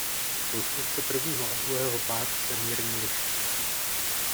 Konstrukce prvního a druhého páru se mírně lišila.